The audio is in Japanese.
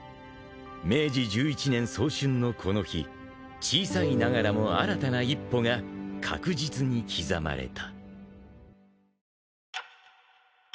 ［明治１１年早春のこの日小さいながらも新たな一歩が確実に刻まれた］